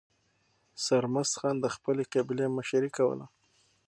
سرمست خان د خپلې قبیلې مشري کوله.